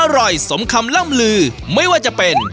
สมคำล่ำลือไม่ว่าจะเป็น